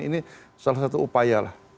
ini salah satu upaya lah